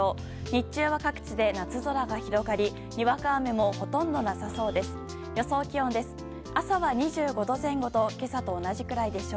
日中は各地で夏空が広がりにわか雨もほとんどなさそうです。